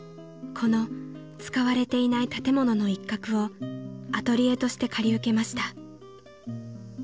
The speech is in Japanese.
［この使われていない建物の一角をアトリエとして借り受けました］